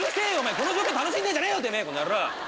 この状況楽しんでんじゃねえよてめぇ！